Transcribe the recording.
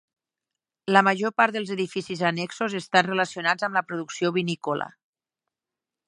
La major part dels edificis annexos estan relacionats amb la producció vinícola.